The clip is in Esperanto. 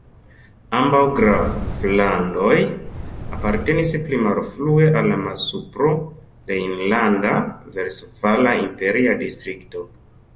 Ambaŭ graflandoj apartenis pli malfrue al la Malsupro-Rejnlanda-Vestfala Imperia Distrikto.